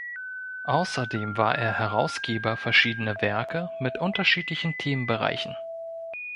Außerdem war er Herausgeber verschiedener Werke mit unterschiedlichen Themenbereichen.